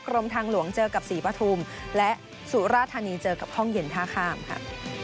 กรมทางหลวงเจอกับศรีปฐุมและสุราธานีเจอกับห้องเย็นท่าข้ามค่ะ